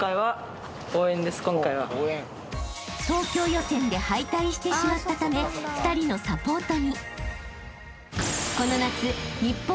［東京予選で敗退してしまったため２人のサポートに］